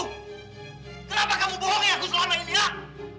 kenapa kamu bohongi aku selama ini ya